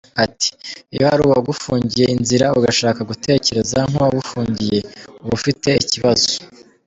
Ati “Iyo hari uwagufungiye inzira, ugashaka gutekereza nk’uwagufungiye, uba ufite ikibazo.